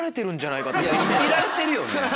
いじられてるよね。